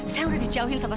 saya udah dijauhin sama kamu